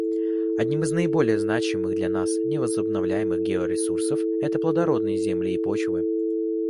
Один из наиболее значимых для нас невозобновляемых георесурсов — это плодородные земли и почвы.